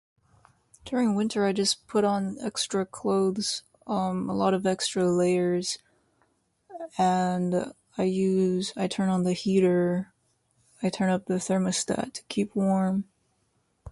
During winter I just put on extra clothes, um, a lot of extra layers. And I use, I turn on the heater, I turn up the thermostat to keep warm.